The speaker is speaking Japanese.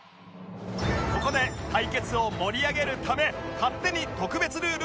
ここで対決を盛り上げるため勝手に特別ルールを発動